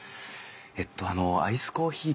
えっとあのアイスコーヒーと。